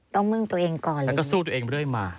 แล้วก็สู้ตัวเองไปเรื่อยมา